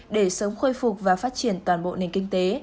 để sớm khôi phục và phát triển toàn bộ nền kinh tế